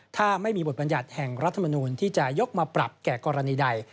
ถ้าไม่มีบทบรรยัติแห่งรัฐมนูลที่จะยกมาปรับแก่กรณีใด